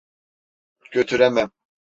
Götüremem.